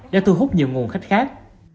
đã thu hút nhiều nguồn khách khác